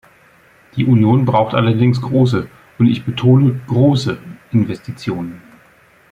Die Union braucht allerdings große, und ich betone große, Investitionen.